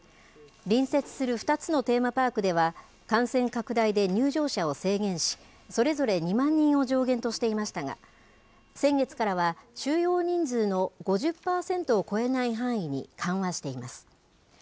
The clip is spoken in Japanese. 隣接する２つのテーマパークでは、感染拡大で入場者を制限し、それぞれ２万人を上限としていましたが、先月からは収容人数の５０％を超えない範囲に緩和しています。